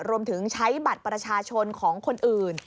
รวมถึงใช้บัตรประชาชนของคนอื่น